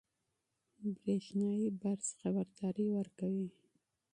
برېښنایي برس خبرداری ورکوي.